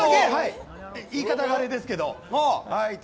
言い方あれですけど。